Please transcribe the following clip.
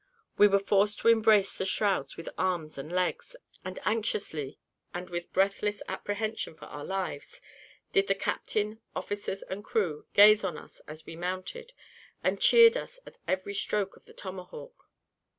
We were forced to embrace the shrouds with arms and legs; and anxiously, and with breathless apprehension for our lives, did the captain, officers, and crew, gaze on us as we mounted, and cheered us at every stroke of the tomahawk.